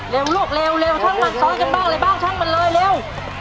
ลวกเร็วช่างมันซ้อนกันบ้างอะไรบ้างช่างมันเลยเร็ว